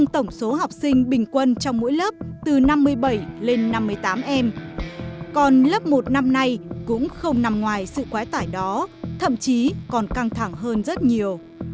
trường bình quân trong mỗi lớp từ năm mươi bảy lên năm mươi tám em còn lớp một năm nay cũng không nằm ngoài sự quái tải đó thậm chí còn căng thẳng hơn rất nhiều